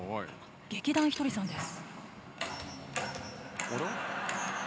劇団ひとりさんです。